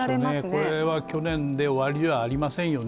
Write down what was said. これは去年で終わりではありませんよね。